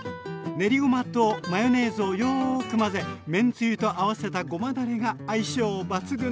練りごまとマヨネーズをよく混ぜめんつゆと合わせたごまだれが相性抜群です！